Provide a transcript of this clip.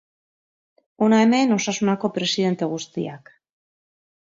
Hona hemen Osasunako presidente guztiak.